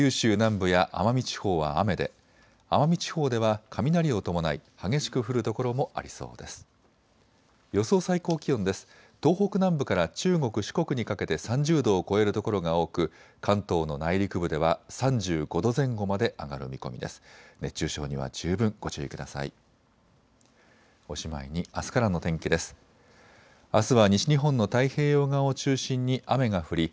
東北南部から中国・四国にかけて３０度を超える所が多く関東の内陸部では３５度前後まで上がる見込みです。